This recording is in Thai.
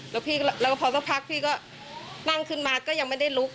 แล้วพอสักพักพี่ก็นั่งขึ้นมาก็ยังไม่ได้ลุก